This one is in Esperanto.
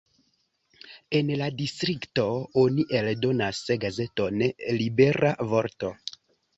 En la distrikto oni eldonas gazeton "Libera vorto".